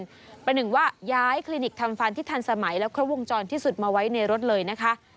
ประหนึ่งว่าย้ายคลินิกทำฟันที่ทันสมัยและครบวงจรที่สุดมาไว้ในรถเลยนะคะ